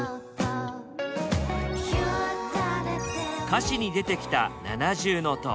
歌詞に出てきた七重塔。